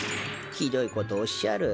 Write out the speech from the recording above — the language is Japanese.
ひどいことおっしゃる。